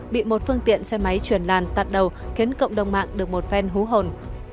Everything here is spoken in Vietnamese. bị một phương tiện xe máy chuyển làn tạt đầu khiến cộng đồng mạng được một phen hú hồn